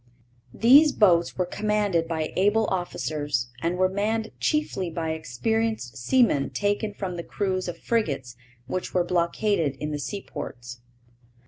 These boats were commanded by able officers and were manned chiefly by experienced seamen taken from the crews of frigates which were blockaded in the seaports.